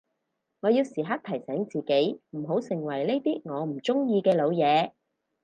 我要時刻提醒自己唔好成為呢啲我唔中意嘅老嘢